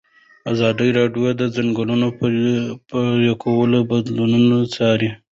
ازادي راډیو د د ځنګلونو پرېکول بدلونونه څارلي.